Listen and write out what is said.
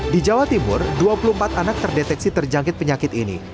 di jawa timur dua puluh empat anak terdeteksi terjangkit penyakit ini